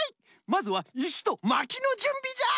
まずはいしとまきのじゅんびじゃ！